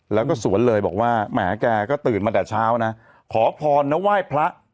แล้วก็สวนเลยบอกว่าแหมแกก็ตื่นมาแต่เช้านะขอพรนะไหว้พระ